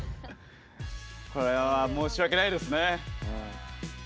これは申し訳ないですね。